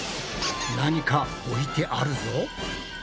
何か置いてあるぞ。